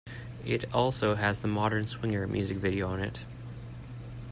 It also has the "Modern Swinger" music video on it.